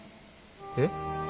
えっ？